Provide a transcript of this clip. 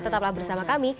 tetaplah bersama kami